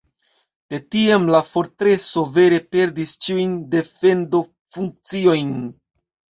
De tiam la fortreso vere perdis ĉiujn defendofunkciojn.